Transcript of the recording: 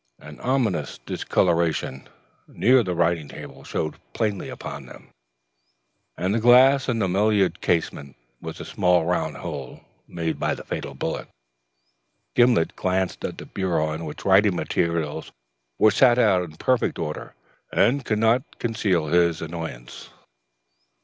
An ominous discoloration near the writing table showed plainly upon them. In the glass of the mullioned casement was the small round hole made by the fatal bullet. Gimblet glanced at the bureau on which the writing materials were set out in perfect order, and could not conceal his annoyance.